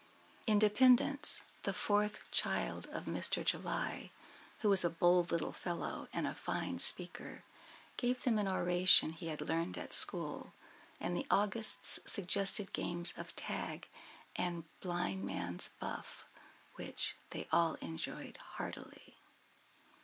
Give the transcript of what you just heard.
Independence, the fourth child of Mr. July, who is a bold little fellow, and a fine speaker, gave them an oration he had learned at school; and the Augusts suggested games of tag and blindman's buff, which they all enjoyed heartily.